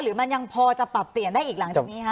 หรือมันยังพอจะปรับเปลี่ยนได้อีกหลังจากนี้คะ